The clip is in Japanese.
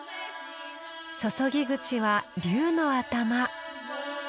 注ぎ口は竜の頭。